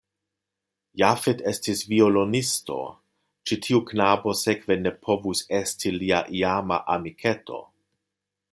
Jafet estis violonisto, ĉi tiu knabo sekve ne povus esti lia iama amiketo.